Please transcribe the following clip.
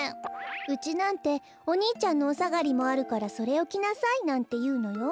うちなんてお兄ちゃんのおさがりもあるからそれをきなさいなんていうのよ。